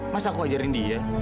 masa aku ajarin dia